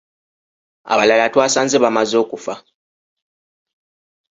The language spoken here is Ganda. Abalala twasanze bamaze okufa.